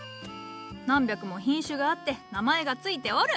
何百も品種があって名前が付いておる。